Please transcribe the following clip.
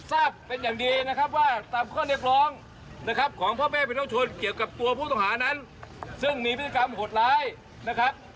ทราบเป็นอย่างดีนะครับว่าตามข้อเรียกร้องนะครับของพ่อแม่พี่น้องชนเกี่ยวกับตัวผู้ต้องหานั้นซึ่งมีพฤติกรรมหดร้ายนะครับ